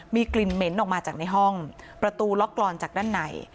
มีกลิ่นเหม็นออกมาจากในห้องประตูล็อกกรอนจากด้านใน